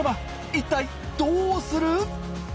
一体どうする？